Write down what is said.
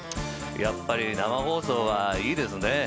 やっぱり生放送はいいですね。